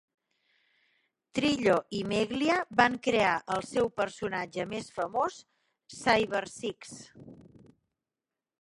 Trillo i Meglia van crear el seu personatge més famós, Cybersix.